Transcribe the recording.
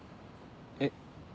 えっ？